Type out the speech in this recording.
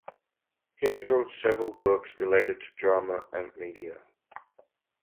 He has wrote several books related to drama and media.